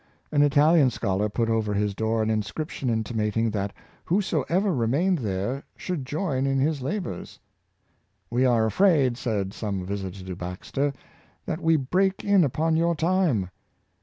An Italian scholar put over his door an inscription intimating that whosoever remained there should join in his labors. " We are afraid," said some visitors to Baxter, " that we break in upon your time."